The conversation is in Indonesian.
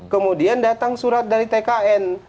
kemudian datang surat dari tkn